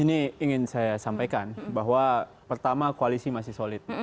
ini ingin saya sampaikan bahwa pertama koalisi masih solid